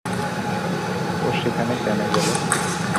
ও সেখানে কেন গেল?